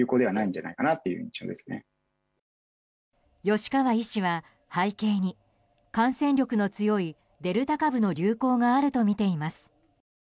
吉川医師は背景に感染力の強いデルタ株の流行があるとみています。